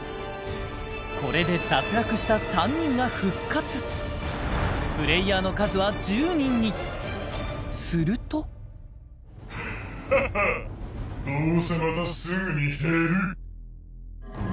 これで脱落した３人が復活プレイヤーの数は１０人にするとハハッどうせまたすぐに減る！